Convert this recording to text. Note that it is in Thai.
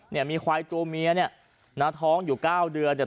เนี่ยมีควายตัวเมียเนี่ยนะท้องอยู่เก้าเดือนเนี่ย